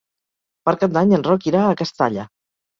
Per Cap d'Any en Roc irà a Castalla.